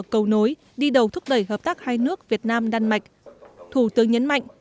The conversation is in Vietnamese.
cầu nối đi đầu thúc đẩy hợp tác hai nước việt nam đan mạch thủ tướng nhấn mạnh